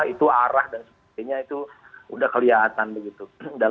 itu arah dan sebagainya itu sudah kelihatan begitu